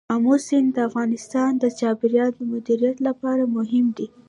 آمو سیند د افغانستان د چاپیریال د مدیریت لپاره مهم دي.